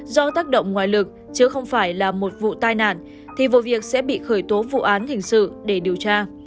do tác động ngoài lực chứ không phải là một vụ tai nạn thì vụ việc sẽ bị khởi tố vụ án hình sự để điều tra